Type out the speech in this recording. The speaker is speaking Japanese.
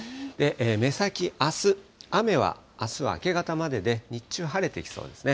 目先、あす、雨はあすは明け方までで、日中、晴れてきそうですね。